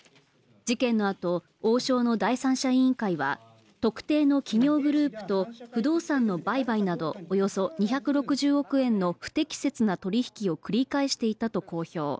事件のあと王将の第三者委員会は特定の企業グループと不動産の売買などおよそ２６０億円の不適切な取り引きを繰り返していたと公表。